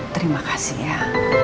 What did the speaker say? terima kasih ya